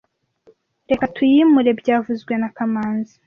Reka tuyimure byavuzwe na kamanzi